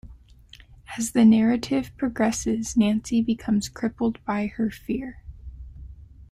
As the narrative progresses, Nancy becomes crippled by her fear.